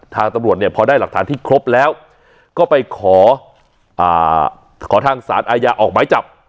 ทางตำรวจเนี่ยพอได้หลักฐานที่ครบแล้วก็ไปขออ่าขอทางศาสน์อายะออกหมายจับค่ะ